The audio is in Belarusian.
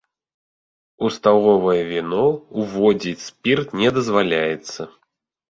У сталовае віно ўводзіць спірт не дазваляецца.